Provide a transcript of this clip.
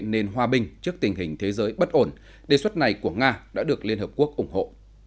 nền hòa bình trước tình hình thế giới bất ổn đề xuất này của nga đã được liên hợp quốc ủng hộ